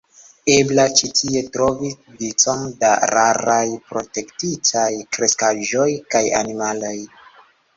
Ebla ĉi tie trovi vicon da raraj protektitaj kreskaĵoj kaj animaloj.